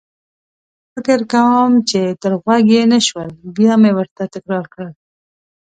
فکر کوم چې تر غوږ يې نه شول، بیا مې ورته تکرار کړل.